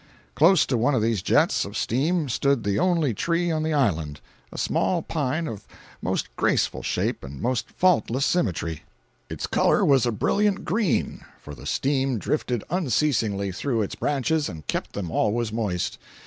Close to one of these jets of steam stood the only tree on the island—a small pine of most graceful shape and most faultless symmetry; its color was a brilliant green, for the steam drifted unceasingly through its branches and kept them always moist.